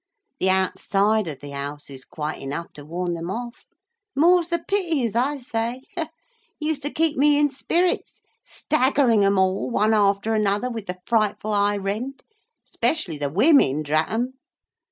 The outside of the house is quite enough to warn them off. Mores the pity, as I say. It used to keep me in spirits, staggering 'em all, one after another, with the frightful high rent—specially the women, drat 'em.